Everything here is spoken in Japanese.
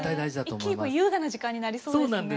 一気に優雅な時間になりそうですね。